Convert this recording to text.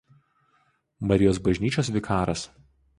Marijos bažnyčios vikaras.